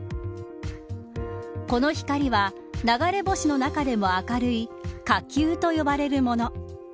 この光は流れ星の中でも明るい火球と呼ばれるもの。